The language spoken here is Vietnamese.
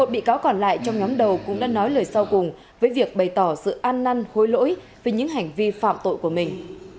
một mươi bị cáo còn lại trong nhóm đầu cũng đã nói lời sau cùng với việc bày tỏ sự an năn hối lỗi về những hành vi phạm tội của mình